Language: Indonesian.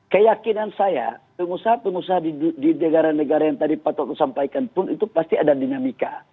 keyakinan saya pengusaha pengusaha di negara negara yang tadi pak toto sampaikan pun itu pasti ada dinamika